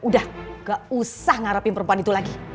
udah gak usah ngarapin perempuan itu lagi